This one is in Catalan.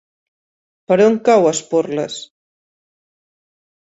Per on cau Esporles?